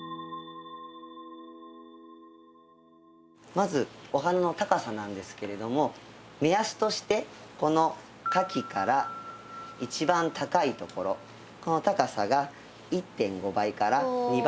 まずお花の高さなんですけれども目安としてこの花器から一番高いところこの高さが１．５倍から２倍ぐらい。